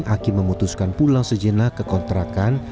aki memutuskan pulang sejenak ke kontrakan